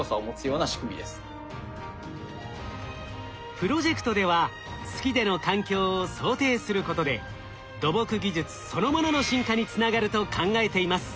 プロジェクトでは月での環境を想定することで土木技術そのものの進化につながると考えています。